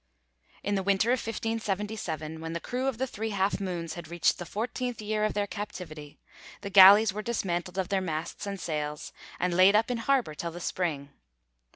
In the winter of 1577, when the crew of the 'Three Half Moons' had reached the fourteenth year of their captivity, the galleys were dismantled of their masts and sails, and laid up in harbour till the spring.